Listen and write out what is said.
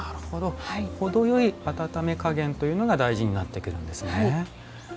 程よい温め加減というのが大事になってくるんですね。